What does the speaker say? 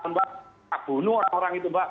saya membunuh orang orang itu mbak